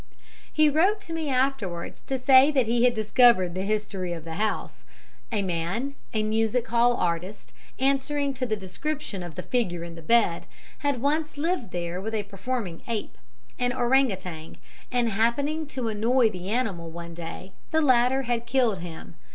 He wrote to me afterwards to say that he had discovered the history of the house a man, a music hall artist, answering to the description of the figure in the bed had once lived there with a performing ape, an orang outang, and happening to annoy the animal one day, the latter had killed him.